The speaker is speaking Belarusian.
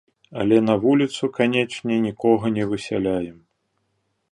Але на вуліцу, канечне, нікога не высяляем.